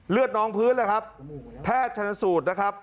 เลือดน้องพื้นนะครับแพทย์ชนสูตรนะครับ